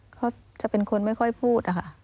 เขาจะเป็นคนไม่ค่อยพูดอะค่ะ